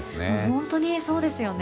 本当にそうですよね。